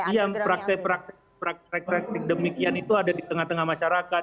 yang praktik praktik demikian itu ada di tengah tengah masyarakat